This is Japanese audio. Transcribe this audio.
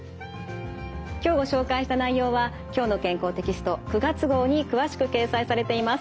今日ご紹介した内容は「きょうの健康」テキスト９月号に詳しく掲載されています。